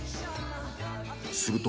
すると。